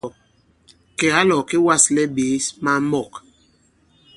Kèga là ɔ̀ kê wa᷇slɛ ɓěs maŋ mɔ̂k.